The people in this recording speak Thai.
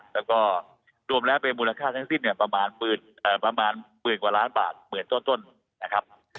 แล้วก็รวมแล้วเป็นมูลค่าทั้งสิ้นเนี่ยประมาณหมื่นกว่าล้านบาทเหมือนต้นนะครับ